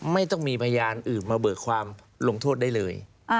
ไม่ต้องมีพยานอื่นมาเบิกความลงโทษได้เลย